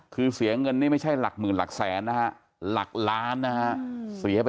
คือเสียเงินนี้ไม่ใช่หลักหมื่นหลักแสนนะครับ